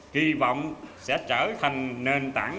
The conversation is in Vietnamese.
kỳ vọng sẽ trở thành nền tảng